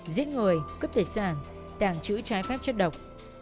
giết người cướp tài sản tàng trữ trái phép chất độc